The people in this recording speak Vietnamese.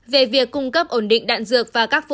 về việc cung cấp ổn định đạn dược và các vũ khí